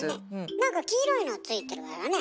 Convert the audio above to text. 何か黄色いのついてるわよね。